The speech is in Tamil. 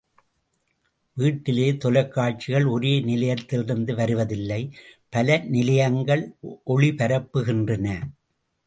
வீட்டிலே தொலைக்காட்சிகள் ஒரே நிலையத்திலிருந்து வருவதில்லை, பல நிலையங்கள் ஒளிபரப்புகின்றன.